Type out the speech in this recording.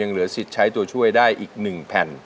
ยังเหลือสิทธิ์ใช้ตัวช่วยได้อีกหนึ่งแผ่น